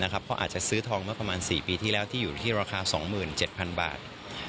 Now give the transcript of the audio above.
เขาอาจจะซื้อทองเมื่อประมาณ๔ปีที่แล้วที่อยู่ที่ราคา๒๗๐๐บาท